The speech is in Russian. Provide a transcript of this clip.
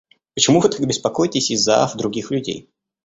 Почему вы так беспокоитесь из-за ав других людей?